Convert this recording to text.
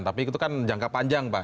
tapi itu kan jangka panjang pak